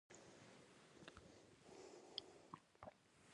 د درناوي کلمې پخوا د شتمنو نښه وه.